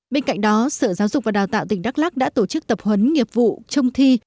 bên cạnh đó sở giáo dục và đào tạo tỉnh đắk lắc đã tổ chức tập huấn nghiệp vụ trông thi